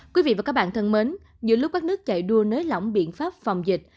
quý vị và các bạn thân mến những lúc các nước chạy đua nới lỏng biện pháp phòng dịch